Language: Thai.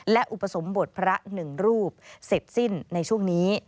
และอุปสมบทพระหนึ่งรูปเสร็จสิ้นในช่วงนี้